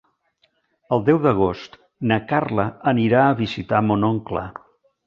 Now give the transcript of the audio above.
El deu d'agost na Carla anirà a visitar mon oncle.